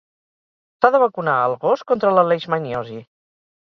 S'ha de vacunar el gos contra la leishmaniosi.